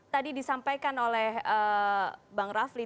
tadi disampaikan oleh bang rafli